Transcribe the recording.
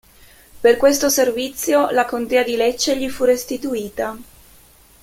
Per questo servizio, la contea di Lecce gli fu restituita.